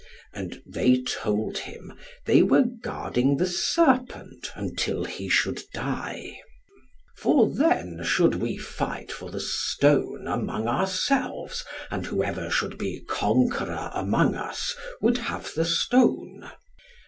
And they told him they were guarding the serpent until he should die. "For then should we fight for the stone among ourselves, and whoever should be conqueror among us would have the stone."